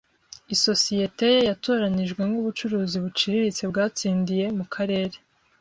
Isosiyete ye yatoranijwe nk’ubucuruzi buciriritse bwatsindiye mu karere.